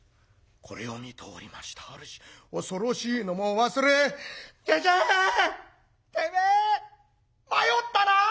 これを見ておりました主恐ろしいのも忘れ「じじいてめえ迷ったな！」。